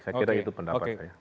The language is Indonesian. saya kira itu pendapat saya